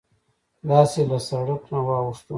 داسې له سرک نه واوښتوو.